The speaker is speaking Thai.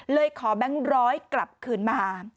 เลยขอแบงค์ร้อยกลับคืนมา